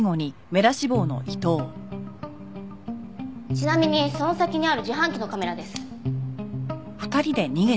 ちなみにその先にある自販機のカメラです。